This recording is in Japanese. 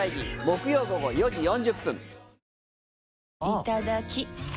いただきっ！